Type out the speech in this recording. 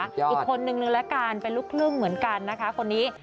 อีกคนนึงนึงละกันเป็นลูกครึ่งเหมือนกันนะคะคนนี้